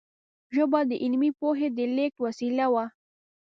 ژبه د علمي پوهې د لېږد وسیله وه.